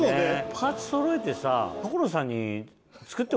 パーツそろえてさ。